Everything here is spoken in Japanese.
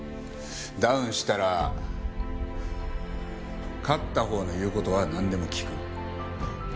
ダウンしたら勝ったほうの言う事はなんでも聞く。